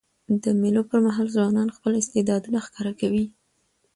د مېلو پر مهال ځوانان خپل استعدادونه ښکاره کوي.